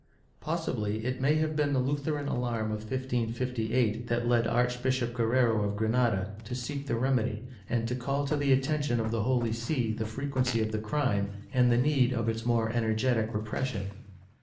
Possibly it may have been the Lutheran alarm of 1558 that led Archbishop Guerrero of Granada to seek the remedy and to call to the attention of the Holy See the frequency of the crime and the need of its more energetic repression.